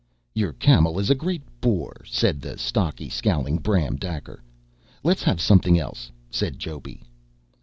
"Your camel is a great bore," said the stocky, scowling Bram Daker. "Let's have something else," said Joby.